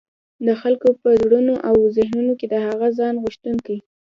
د خلګو په زړونو او ذهنونو کي د هغه ځان غوښتونکي